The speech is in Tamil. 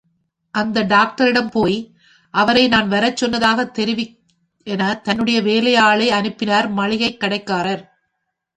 அந்த டாக்டரிடம் போய், அவரை நான் வரச் சொன்னதாகத் தெரிவி என தன்னுடைய வேலையாளை அனுப்பினார் மளிகைக் கடைக்காரர்.